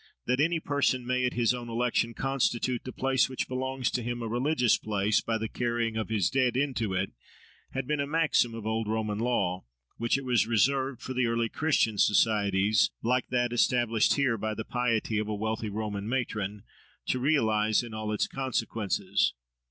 That "any person may, at his own election, constitute the place which belongs to him a religious place, by the carrying of his dead into it":—had been a maxim of old Roman law, which it was reserved for the early Christian societies, like that established here by the piety of a wealthy Roman matron, to realise in all its consequences.